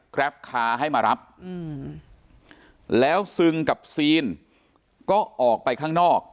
กรับคาให้มารับอืมแล้วซึ่งกับซีนก็ออกไปข้างนอก